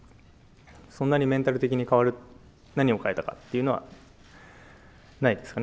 そんなにメンタル的に変わる何を変えたかというのはないですかね。